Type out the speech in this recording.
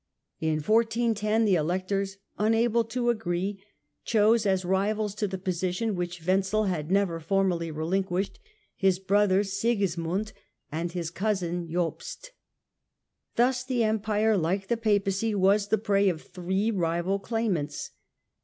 In 1410, the Emp'i™,"' Electors, unable to agree, chose as rivals to the position 1410 which AVenzel had never formally relinquished, his brother Sigismund and his cousin Jobst. Thus the Em pire, like the Papacy, was the prey of three rival claim ants.